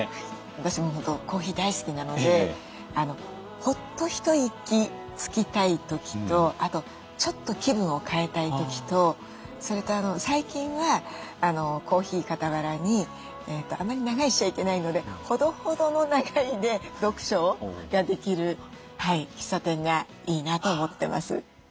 私も本当コーヒー大好きなのでホッと一息つきたい時とあとちょっと気分を変えたい時とそれと最近はコーヒー傍らにあまり長居しちゃいけないのでほどほどの長居で読書ができる喫茶店がいいなと思ってます。